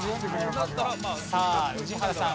さあ宇治原さん